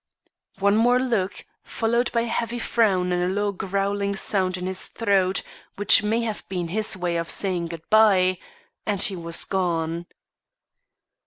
One more look, followed by a heavy frown and a low growling sound in his throat which may have been his way of saying good bye and he was gone.